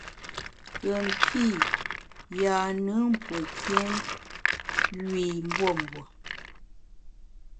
Pùen pî, yâ-nùn pue nkiém yu i mbuembue.